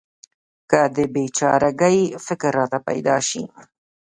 که د بې چاره ګۍ فکر راته پیدا شي.